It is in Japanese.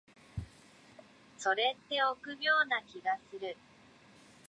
それって臆病って気がする。